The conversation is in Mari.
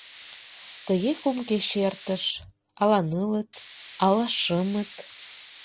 Тыге кум кече эртыш, ала нылыт, ала шымыт.